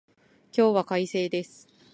今日は快晴です